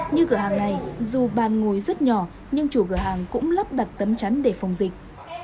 như cửa hàng này dù bàn ngồi rất nhỏ nhưng chủ cửa hàng cũng lắp đặt tấm chắn để phòng dịch